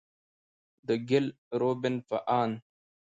د ګيل روبين په اند،